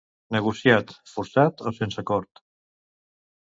Negociat, forçat o sense acord.